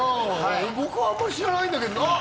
僕はあんまり知らないんだけどあっ